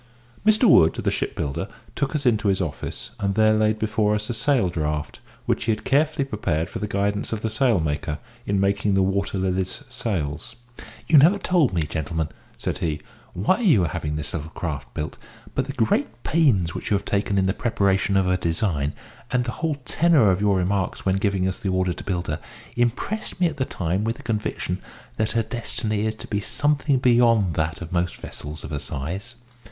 Mr Wood, the shipbuilder, took us into his office, and there laid before us a sail draught, which he had carefully prepared for the guidance of the sailmaker, in making the Water Lily's sails. "You have never told me, gentlemen," said he, "why you are having this little craft built; but the great pains which you have taken in the preparation of her design, and the whole tenour of your remarks when giving us the order to build her, impressed me at the time with a conviction that her destiny is to be something beyond that of most vessels of her size.